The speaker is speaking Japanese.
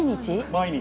毎日。